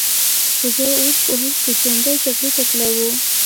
خو زه اوس په هوښ کې شوم، دی جګړې ته تلی و.